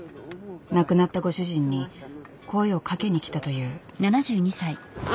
亡くなったご主人に声をかけに来たという。